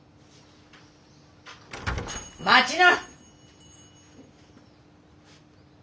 待ちな！